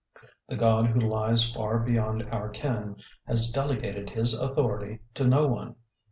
The God who lies far beyond our ken has delegated His authority to no one.